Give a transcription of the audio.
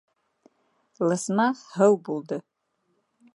Лысма һыу булды.